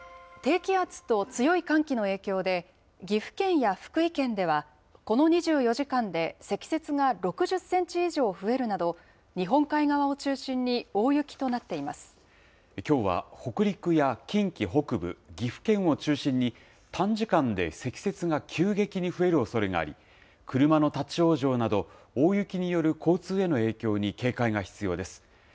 低気圧と強い寒気の影響で、岐阜県や福井県では、この２４時間で積雪が６０センチ以上増えるなど、日本海側を中心きょうは北陸や近畿北部、岐阜県を中心に、短時間で積雪が急激に増えるおそれがあり、車の立往生など、大雪による交通への影響に警戒が必要です。